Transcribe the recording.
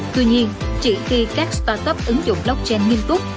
tuy nhiên chỉ khi các start up ứng dụng blockchain nghiêm túc